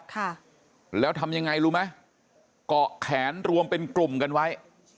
ค่ะแล้วทำยังไงรู้ไหมเกาะแขนรวมเป็นกลุ่มกันไว้